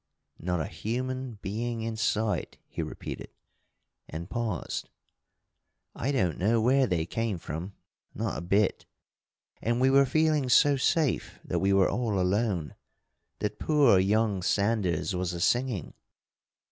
"Not a human being in sight," he repeated, and paused. "I don't know where they came from, not a bit. And we were feeling so safe that we were all alone that poor young Sanders was a singing.